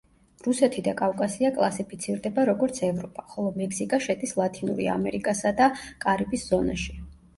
რუსეთი და კავკასია კლასიფიცირდება როგორც ევროპა, ხოლო მექსიკა შედის ლათინური ამერიკასა და კარიბის ზონაში.